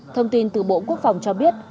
thông tin từ bộ quốc phòng cho biết